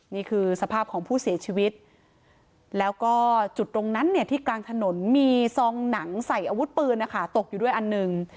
นี่คือสภาพของผู้เสียชีวิตแล้วก็จุดตรงนั้นเนี่ยที่กลางถนนมีซองหนังใส่อาวุธปืนนะคะตกอยู่ด้วยอันหนึ่ง